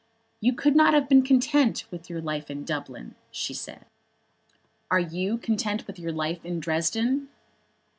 "You could not have been content with your life in Dublin," she said. "Are you content with your life in Dresden?"